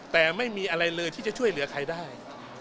แต่ไม่มีอะไรเลยที่จะช่วยเหลือใครได้